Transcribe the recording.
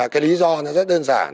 cái lý do nó rất đơn giản